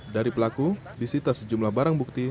dari pelaku disita sejumlah barang bukti